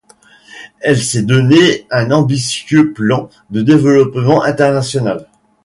Elle s'est donné un ambitieux plan de développement international.